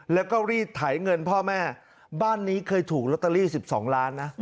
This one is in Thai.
แล้วก็รีดไถเงินพ่อแม่บ้านนี้เคยถูกลอตเตอรี่๑๒ล้านนะ